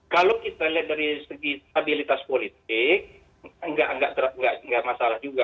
kalau kita lihat dari segi stabilitas politik nggak masalah juga